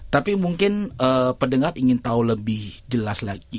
tapi mungkin pendengar ingin tahu lebih jelas lagi